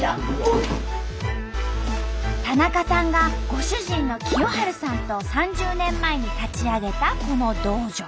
田中さんがご主人の清春さんと３０年前に立ち上げたこの道場。